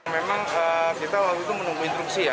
memang kita waktu itu menunggu instruksi ya